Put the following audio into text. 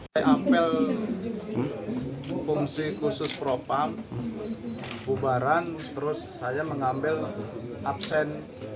saya ambil fungsi khusus propam bubaran terus saya mengambil absen